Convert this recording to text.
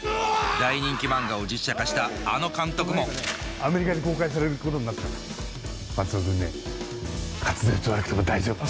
大人気漫画を実写化したあの監督もアメリカで公開されることになったから松戸君ね滑舌悪くても大丈夫。